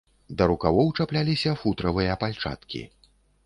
Да рукавоў чапляліся футравыя пальчаткі.